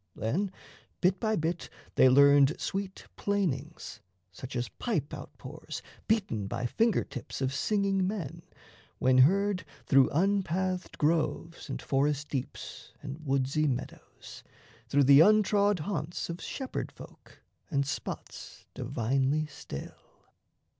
Then bit by bit They learned sweet plainings, such as pipe out pours, Beaten by finger tips of singing men, When heard through unpathed groves and forest deeps And woodsy meadows, through the untrod haunts Of shepherd folk and spots divinely still.